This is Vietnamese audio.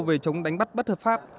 về chống đánh bắt bất hợp pháp